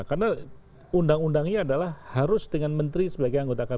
karena undang undangnya adalah harus dengan menteri sebagai anggota kabinet